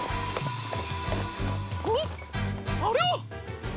あっあれは！